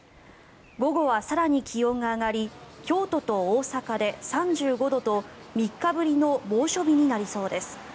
午後は更に気温が上がり京都と大阪で３５度と３日ぶりの猛暑日になりそうです。